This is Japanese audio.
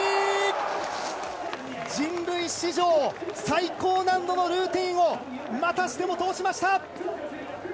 人類史上最高難度のルーティンをまたしても通しました！